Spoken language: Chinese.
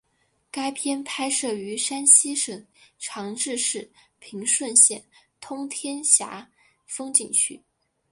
该片拍摄于山西省长治市平顺县通天峡风景区。